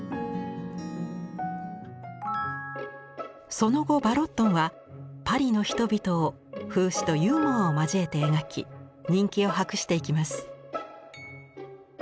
その後ヴァロットンはパリの人々を風刺とユーモアを交えて描き人気を博していきます。